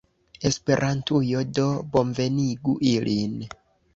Esperantujo do bonvenigu ilin!